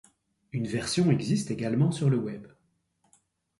Une version existe également sur le Web.